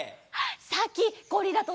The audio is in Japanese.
さっきゴリラとなか